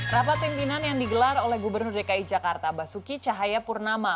rapat pimpinan yang digelar oleh gubernur dki jakarta basuki cahayapurnama